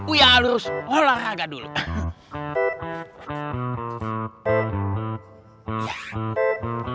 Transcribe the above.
uya harus olahraga dulu